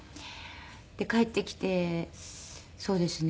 で帰ってきてそうですね。